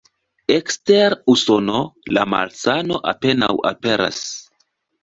Ekster Usono, la malsano apenaŭ aperas.